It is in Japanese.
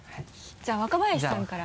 じゃあ若林さんから。